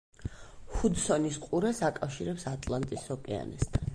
ჰუდსონის ყურეს აკავშირებს ატლანტის ოკეანესთან.